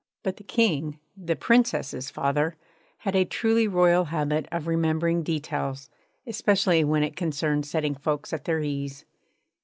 But the King, the Princess's father, had a truly royal habit of remembering details, especially when it concerned setting folks at their ease.